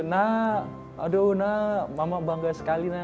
nah aduh nah mama bangga sekali